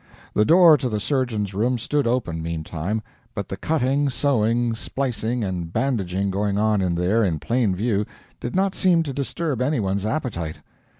The door to the surgeon's room stood open, meantime, but the cutting, sewing, splicing, and bandaging going on in there in plain view did not seem to disturb anyone's appetite.